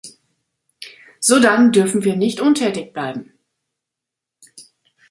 Sodann dürfen wir nicht untätig bleiben.